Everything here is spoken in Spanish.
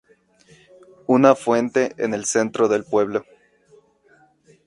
Una fuente en el centro del pueblo.